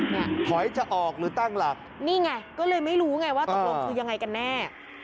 ถอยจะออกหรือตั้งหลักนี่ไงก็เลยไม่รู้ไงว่าตกลงคือยังไงกันแน่